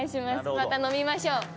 また飲みましょう。